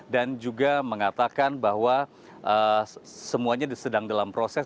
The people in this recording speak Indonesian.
dan juga mengatakan bahwa semuanya sedang dalam proses